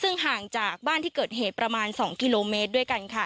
ซึ่งห่างจากบ้านที่เกิดเหตุประมาณ๒กิโลเมตรด้วยกันค่ะ